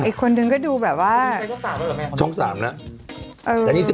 อีกคนนึงก็ดูแบบว่าได้ช่องสามแล้วไหม